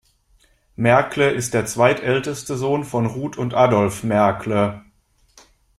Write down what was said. Merckle ist der zweitälteste Sohn von Ruth und Adolf Merckle.